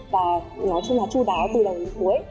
và nói chung là chú đáo từ đầu đến cuối